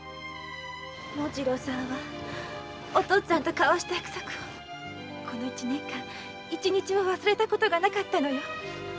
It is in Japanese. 紋次郎さんはお父っつぁんと交わした約束をこの一年間一日も忘れたことがなかったのよ。